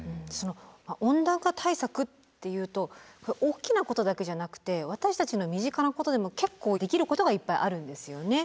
温暖化対策っていうと大きなことだけじゃなくて私たちの身近なことでも結構できることがいっぱいあるんですよね。